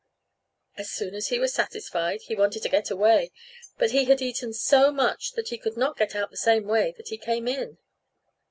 As soon as he was satisfied, he wanted to get away; but he had eaten so much that he could not get out the same way that he came in.